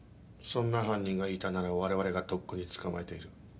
そんな犯人がいたなら我々がとっくに捕まえている。